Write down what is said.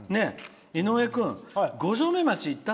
井上君、五城目町行った？